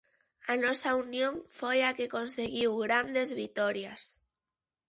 A nosa unión foi a que conseguiu grandes vitorias.